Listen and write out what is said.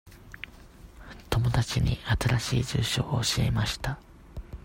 友達に新しい住所を教えました。